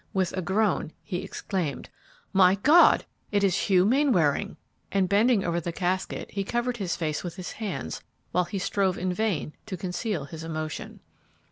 With a groan he exclaimed, "My God, it is Hugh Mainwaring!" and bending over the casket, he covered his face with his hands while he strove in vain to conceal his emotion.